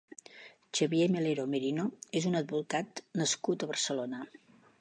Xavier Melero Merino és un advocat nascut a Barcelona.